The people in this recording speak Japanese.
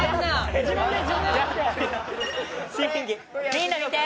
みんな見て。